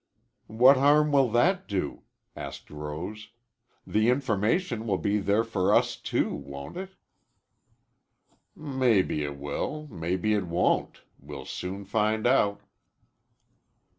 "What harm will that do?" asked Rose. "The information will be there for us, too, won't it?" "Mebbe it will. Mebbe it won't. We'll soon find out."